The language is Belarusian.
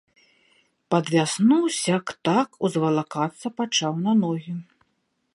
Пад вясну сяк-так узвалакацца пачаў на ногі.